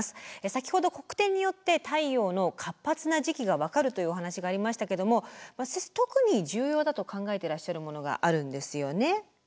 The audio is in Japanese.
先ほど黒点によって太陽の活発な時期が分かるというお話がありましたけども先生特に重要だと考えてらっしゃるものがあるんですよね。